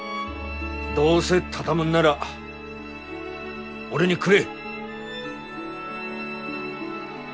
どうせ畳むんなら俺にくれ！